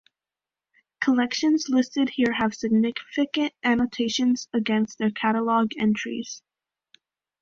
Collections listed here have significant annotations against their catalogue entries.